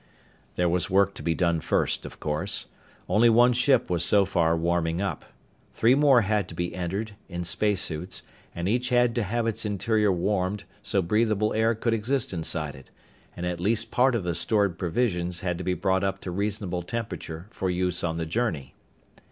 There was work to be done first, of course. Only one ship was so far warming up. Three more had to be entered, in spacesuits, and each had to have its interior warmed so breathable air could exist inside it, and at least part of the stored provisions had to be brought up to reasonable temperature for use on the journey.